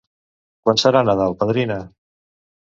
Quan serà Nadal, padrina?